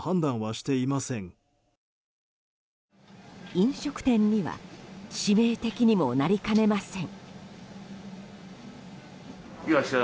飲食店には致命的にもなりかねません。